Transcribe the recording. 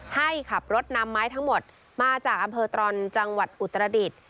ให้ขับรถนำไม้ทั้งหมดมาจากอำเภอตรอนจังหวัดอุตรดิษฐ์